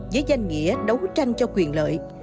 với danh nghĩa đấu tranh cho quyền lợi